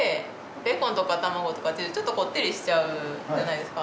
ベーコンとか卵とかチーズちょっとこってりしちゃうじゃないですか。